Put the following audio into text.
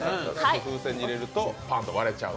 風船に入れるとパンと割れちゃう。